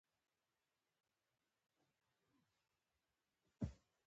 د ونټ ورت خواخوږي له دې امله وه.